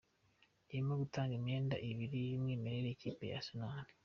irimo gutanga imyenda ibiri y’umwimerere ikipe ya Arsenal